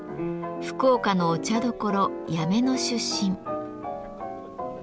福岡のお茶どころ八女の出身。